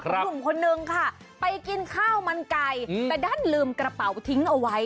หนุ่มคนนึงค่ะไปกินข้าวมันไก่แต่ดันลืมกระเป๋าทิ้งเอาไว้